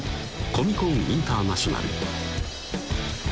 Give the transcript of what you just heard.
コミコン・インターナショナル